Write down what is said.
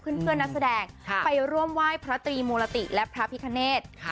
เอ่ยหนูมีคนคุยแล้วนะ